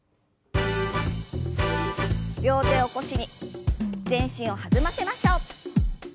両手を腰に全身を弾ませましょう。